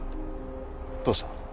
どうした？